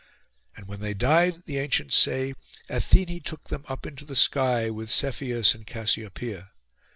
And when they died, the ancients say, Athené took them up into the sky, with Cepheus and Cassiopoeia.